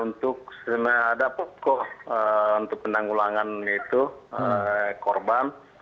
untuk ada pokok untuk penanggulangan itu korban